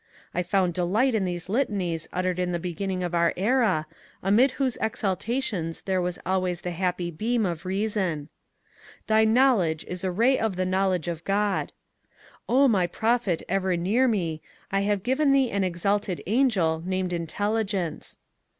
I found delight in these litanies uttered in the beginning of our era, amid whose exaltations there was al ways the happy beam of reason. Thy knowledge is a ray of 144 MONCURE DANIEL CONWAY the knowledge of God." "O my Prophet ever near me, I have given thee an exalted angel named Intelligence."